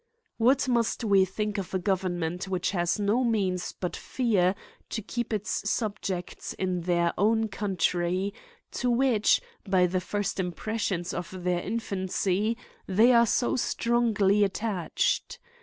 What must we think of a government which has no means but fear to keep its subjects in their own country, to which, by the first impressions of their infancy, they are so strongly attached.